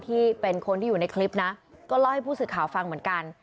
ที่เป็นคนที่อยู่ในคลิปนะก็เล่าให้ผู้สื่อข่าวฟังเหมือนกัน